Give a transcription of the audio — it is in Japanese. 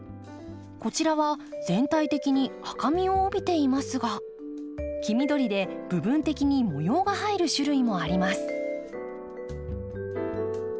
こちらは全体的に赤みを帯びていますが黄緑で部分的に模様が入る種類もあります。